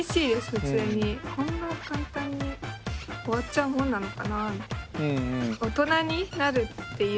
こんな簡単に終わっちゃうもんなのかなみたいな。